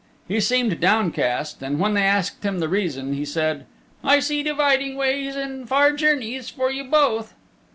He seemed downcast and when they asked him the reason he said, "I see dividing ways and far journeys for you both."